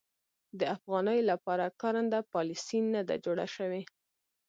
د افغانیو لپاره کارنده پالیسي نه ده جوړه شوې.